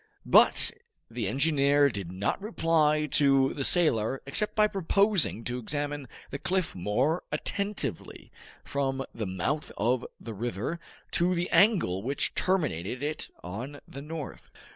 But the engineer did not reply to the sailor except by proposing to examine the cliff more attentively, from the mouth of the river to the angle which terminated it on the north.